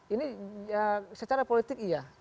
ini secara politik iya